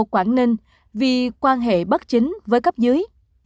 quảng ninh vì quan hệ bất chính với cấp dưới